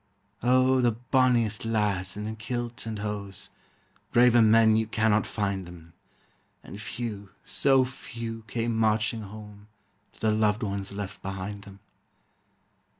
Oh, the bonniest lads in kilt and hose Braver men, you cannot find them And few, so few, came marching home To the loved ones left behind them.